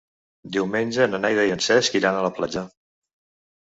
Diumenge na Neida i en Cesc iran a la platja.